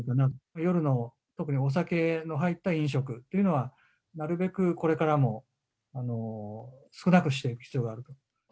夜の特にお酒の入った飲食というのは、なるべくこれからも少なくしていく必要があると。